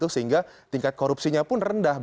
sehingga tingkat korupsinya pun rendah